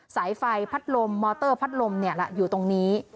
สายไฟพัดลมมอเตอร์พัดลมอยู่ตรงนี้